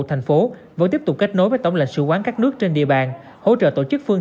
thành phố vẫn tiếp tục kết nối với tổng lãnh sự quán các nước trên địa bàn hỗ trợ tổ chức phương